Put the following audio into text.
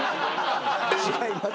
違います。